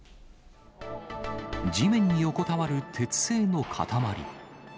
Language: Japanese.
地面に横たわる鉄製の塊。